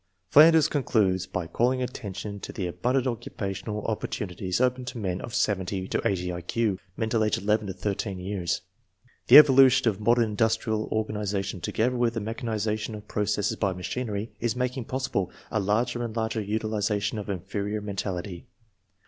Flanders concludes by calling attention to the abun dant occupational opportunities open to men of 70 to 80 I Q (mental age 11 to 13 years). The evolution of modern industrial organization together with the mechanization of processes by machinery is making possible a larger and larger utilization of inferior men tality.